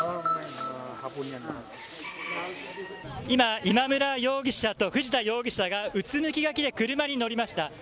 今、今村容疑者と藤田容疑者がうつむきがけで車に乗りました。